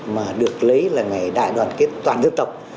mà được lấy là ngày đại đoàn kết toàn dân tộc